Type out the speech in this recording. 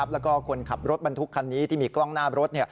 แล้วก็คนขับรถบรรทุกคันนี้ที่มีกล้องหน้ารถ